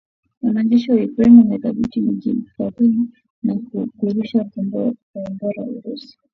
Wanajeshi wa Ukraine wadhibithi miji kadhaa na kurusha Kombora Urusi.